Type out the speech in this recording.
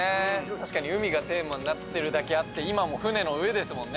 確かに海がテーマになってるだけあって今も船の上ですもんね。